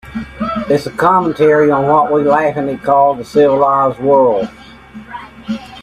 It's a commentary on what we laughingly call the civilized world.